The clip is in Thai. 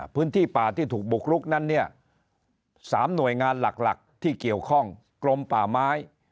พื้นที่ป่าที่ถูกบุกรุกนั้นเนี่ย๓หน่วยงานหลักที่เกี่ยวข้องกรมป่าไม้